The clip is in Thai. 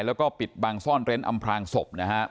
แล้วก็ปิดบังซ่อนเร้นอำพลางศพนะฮะ